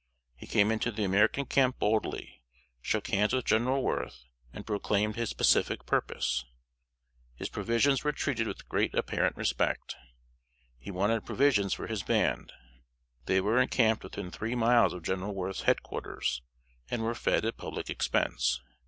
He came into the American camp boldly, shook hands with General Worth, and proclaimed his pacific purpose. His professions were treated with great apparent respect. He wanted provisions for his band. They were encamped within three miles of General Worth's head quarters, and were fed at public expense.